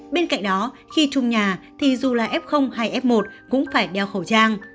bên cạnh đó khi trung nhà thì dù là f hay f một cũng phải đeo khẩu trang